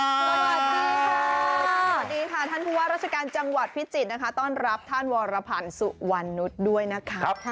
สวัสดีค่ะท่านผู้ว่ารัชการจังหวัดพิจิตรต้อนรับท่านวรพันธ์สุวรรณุด้วยนะคะ